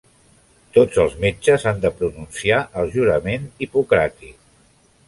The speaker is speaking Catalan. Tots els metges han de pronunciar el jurament hipocràtic.